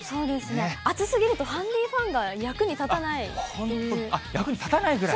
暑すぎるとハンディファンが役に立たないぐらい？